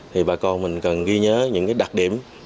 thì bà con mình cần ghi nhớ những cái đặc điểm